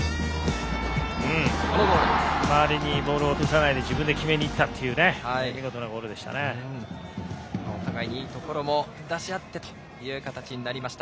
周りにボールを落とさないで自分で決めにいったお互いにいいところも出し合ってとなりました。